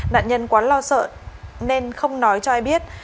nạn nhân quá lo sợ nên không nói cho ai biết